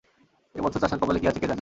এ বছর চাষার কপালে কী আছে কে জানে!